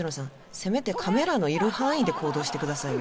せめてカメラのいる範囲で行動してくださいよ